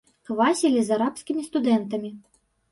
Квасілі з арабскімі студэнтамі.